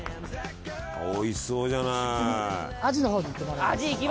おいしそうじゃない。